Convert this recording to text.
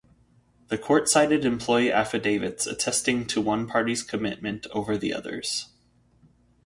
The court cited employee affidavits attesting to one party's commitment over the other's.